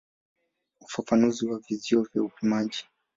Ufafanuzi wa vizio vya upimaji.